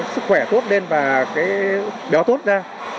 sức khỏe tốt lên và béo tốt ra